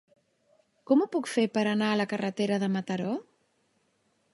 Com ho puc fer per anar a la carretera de Mataró?